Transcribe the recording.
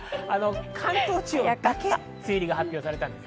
関東地方だけ梅雨入りが発表されました。